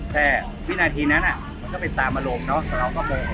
แต่วินาทีนั้นมันก็ไปตามมาโหลกแล้วเขาก็โมโห